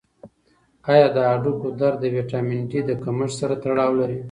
آیا د هډوکو درد د ویټامین ډي له کمښت سره تړاو لري؟